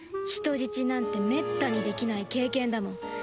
人質なんてめったにできない経験だもん